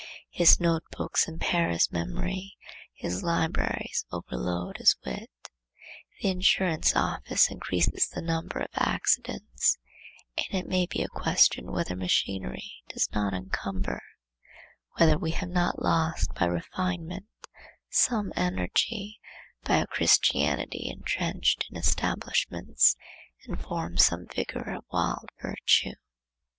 His note books impair his memory; his libraries overload his wit; the insurance office increases the number of accidents; and it may be a question whether machinery does not encumber; whether we have not lost by refinement some energy, by a Christianity entrenched in establishments and forms some vigor of wild virtue.